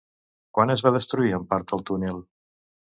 Quan es va destruir en part el túnel?